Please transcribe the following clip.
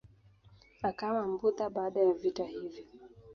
Akawa Mbudha baada ya vita hivi.